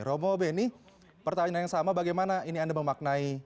romo beni pertanyaan yang sama bagaimana ini anda memaknai